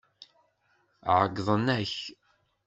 Ɛeyyḍen akk.